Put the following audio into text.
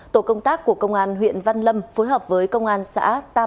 tổ công tác của công an huyện văn lâm phối hợp với công an xã tam